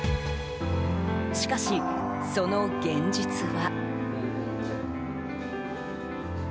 しかし、その現実は。